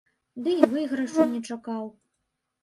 Дый выйгрышу не чакаў.